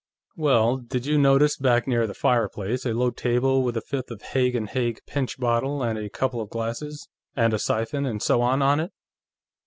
"Well, did you notice, back near the fireplace, a low table with a fifth of Haig & Haig Pinchbottle, and a couple of glasses, and a siphon, and so on, on it?"